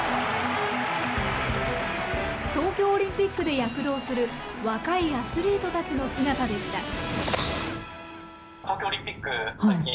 東京オリンピックで躍動する若いアスリートたちの姿でした。